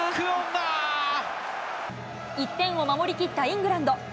１点を守りきったイングランド。